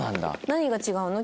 「何が違うの？